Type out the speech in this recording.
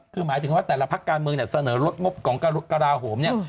คือหมายถึงว่าแต่ละพักการเมืองเนี่ยเสนอลดงบของกระลาโหมเนี่ย